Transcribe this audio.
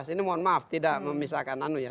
ini mohon maaf tidak memisahkan anu ya